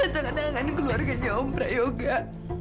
tante akan keluarganya om prayoga